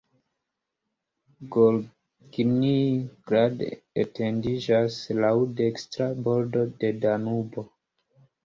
Gornji Grad etendiĝas laŭ dekstra bordo de Danubo.